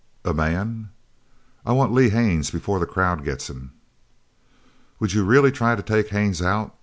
"A man?" "I want Lee Haines before the crowd gets him." "Would you really try to take Haines out?"